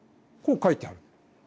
こう書いてある。